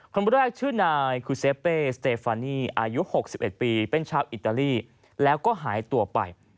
คนแรกชื่อนายคูเซเปสเตฟานีอายุ๖๑ปีเป็นชาวอิตาลีแล้วก็หายตัวไป